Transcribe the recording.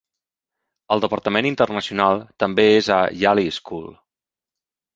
El departament internacional també és a Yali School.